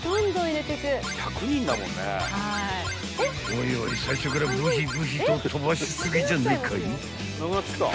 ［おいおい最初からブヒブヒと飛ばし過ぎじゃないかい？］